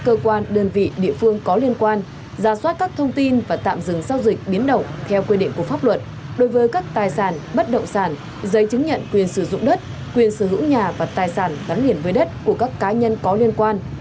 cơ quan đơn vị địa phương có liên quan ra soát các thông tin và tạm dừng giao dịch biến động theo quy định của pháp luật đối với các tài sản bất động sản giấy chứng nhận quyền sử dụng đất quyền sở hữu nhà và tài sản gắn liền với đất của các cá nhân có liên quan